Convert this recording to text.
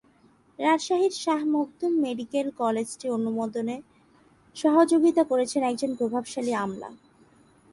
রাজশাহীর শাহ মখদুম মেডিকেল কলেজটির অনুমোদনে সহযোগিতা করেছেন একজন প্রভাবশালী আমলা।